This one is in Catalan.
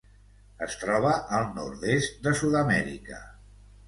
Es troba al nord-est de Sud-amèrica.